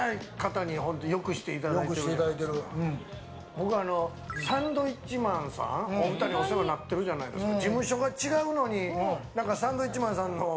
僕、サンドウィッチマンさんお二人お世話になってるじゃないですか。